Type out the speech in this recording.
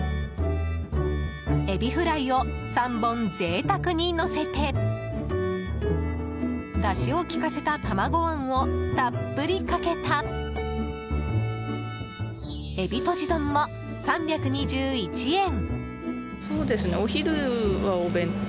エビフライを３本贅沢にのせてだしを利かせた卵あんをたっぷりかけた海老とじ丼も３２１円。